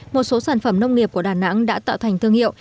một số sản phẩm nông nghiệp của đà nẵng đã tạo thành thương hiệu